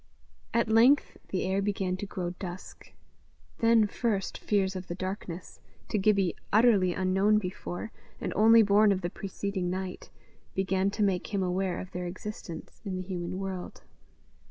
At length the air began to grow dusk: then, first, fears of the darkness, to Gibbie utterly unknown before, and only born of the preceding night, began to make him aware of their existence in the human world.